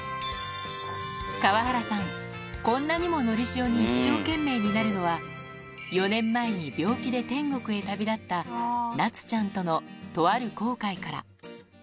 川原さん、こんなにものりしおに一生懸命になるのは、４年前に病気で天国へ旅立った、夏ちゃんとのとある後悔から。